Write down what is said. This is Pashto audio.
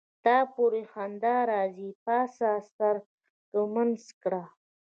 تا پوری خندا راځي پاڅه سر ګمنځ کړه.